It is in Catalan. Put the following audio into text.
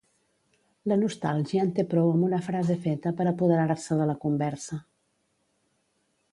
La nostàlgia en té prou amb una frase feta per apoderar-se de la conversa.